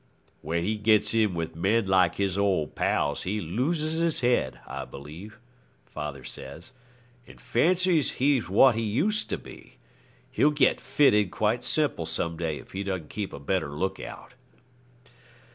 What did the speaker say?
'When he gets in with men like his old pals he loses his head, I believe,' father says, 'and fancies he's what he used to be. He'll get "fitted" quite simple some day if he doesn't keep a better look out.'